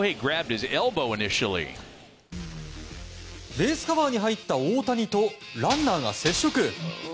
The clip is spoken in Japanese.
ベースカバーに入った大谷とランナーが接触。